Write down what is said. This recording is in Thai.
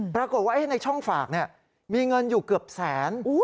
ปรากฏว่าในช่องฝากมีเงินอยู่เกือบแสน